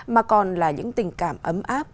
mà còn là những tình cảm ấm áp